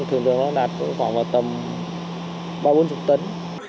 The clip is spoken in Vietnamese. thường thường nó đạt khoảng vào tầm ba mươi bốn mươi tấn